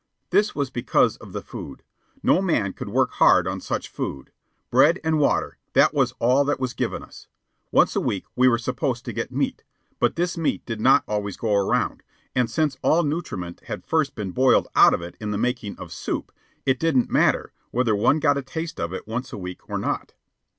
This was because of the food. No man could work hard on such food. Bread and water, that was all that was given us. Once a week we were supposed to get meat; but this meat did not always go around, and since all nutriment had first been boiled out of it in the making of soup, it didn't matter whether one got a taste of it once a week or not.